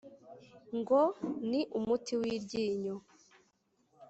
ngo ni umuti w'iryinyo